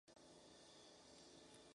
Chi You fue capturado.